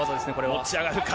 持ち上がるか？